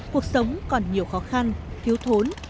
cuộc sống còn nhiều khó khăn thiếu thốn